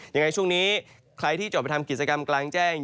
ยังไงช่วงนี้ใครที่จะออกไปทำกิจกรรมกลางแจ้ง